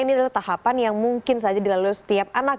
ini adalah tahapan yang mungkin saja dilalui setiap anak